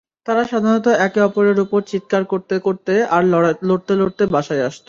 তারা সাধারণত একে অপরের উপর চিৎকার করতে করতে, আর লড়তে লড়তে বাসায় আসতো।